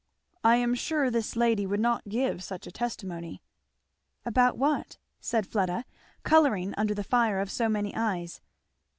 "I am sure this lady would not give such a testimony." "About what?" said Fleda, colouring under the fire of so many eyes.